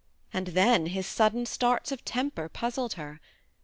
And then his sudden starts of temper puzzled her.